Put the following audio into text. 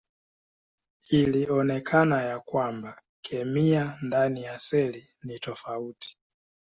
Ilionekana ya kwamba kemia ndani ya seli ni tofauti.